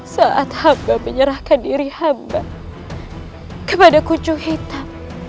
saat hamba menyerahkan diri hamba kepada kucu hitam